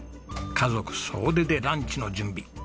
家族総出でランチの準備。